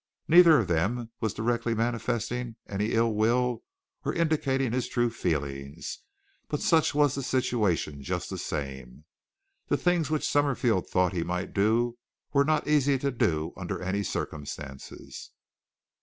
Neither of them was directly manifesting any ill will or indicating his true feelings, but such was the situation just the same. The things which Summerfield thought he might do were not easy to do under any circumstances.